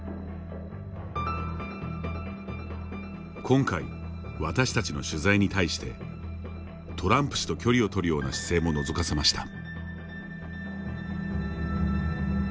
今回、私たちの取材に対してトランプ氏と距離を取るような姿勢ものぞかせました。